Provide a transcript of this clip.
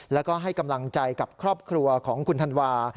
แล้วก็ให้กำลังใจกับครอบครัวของคุณธันวา